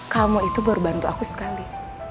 kamu itu baru bantu aku sekali